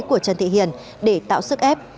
của trần thị hiền để tạo sức ép